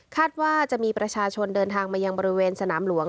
ว่าจะมีประชาชนเดินทางมายังบริเวณสนามหลวง